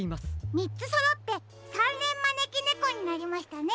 みっつそろってさんれんまねきねこになりましたね。